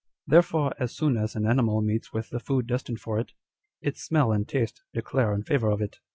Therefore as soon as an animal meets with the food destined for it, its smell and taste declare in favour of it.